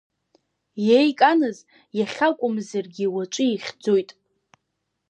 Иеиканыз, иахьакәымзаргьы, уаҵәы ихьӡоит.